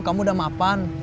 kamu udah mapan